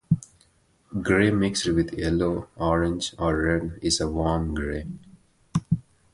Gray mixed with yellow, orange, or red is a "warm gray".